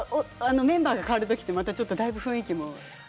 メンバーが代わるときってまたちょっとだいぶ雰囲気も。